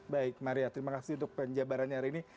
baik maria terima kasih untuk penjabarannya hari ini